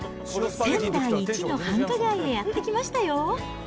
仙台一の繁華街へやって来ましたよ。